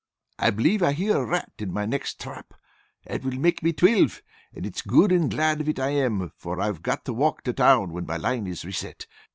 "I believe I hear a rat in my next trap. That will make me twilve, and it's good and glad of it I am for I've to walk to town when my line is reset.